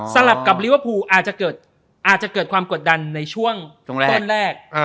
สำหรับกับลิเวอร์พูลอาจจะเกิดความกดดันในช่วงต้นแรก